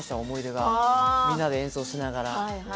思い出がみんなで演奏しながら。